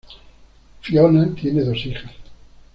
Fiona tiene dos hijas.